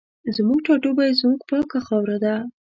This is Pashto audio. زموږ ټاټوبی زموږ پاکه خاوره ده